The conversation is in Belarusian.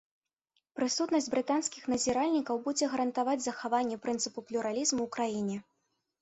Прысутнасць брытанскіх назіральнікаў будзе гарантаваць захаванне прынцыпу плюралізму у краіне.